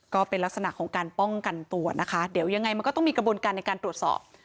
ก็เป็นลักษณะของการป้องกันตัวนะคะเดี๋ยวยังไงมันก็ต้องมีกระบวนการในการตรวจสอบ